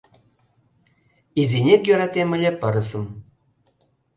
Изинек йӧратем ыле пырысым